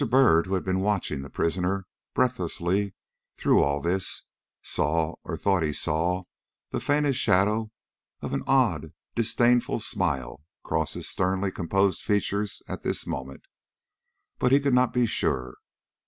Byrd, who had been watching the prisoner breathlessly through all this, saw or thought he saw the faintest shadow of an odd, disdainful smile cross his sternly composed features at this moment. But he could not be sure.